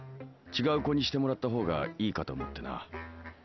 違う子にしてもらったほうがいいかと思ってな。